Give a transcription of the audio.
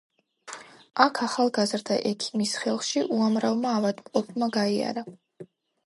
აქ ახალგაზრდა ექიმის ხელში უამრავმა ავადმყოფმა გაიარა.